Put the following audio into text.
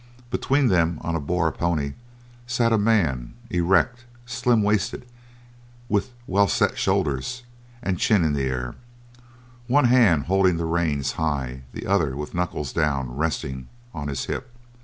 Between them on a Boer pony sat a man, erect, slim waisted, with well set shoulders and chin in air, one hand holding the reins high, the other with knuckles down resting on his hip.